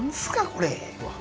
これ。